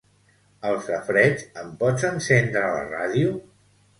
Al safareig em pots encendre la ràdio?